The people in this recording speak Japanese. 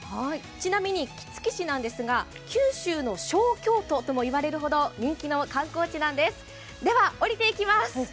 ちなみに杵築市なんですが九州の小京都とも言われるほど人気の観光地なんです。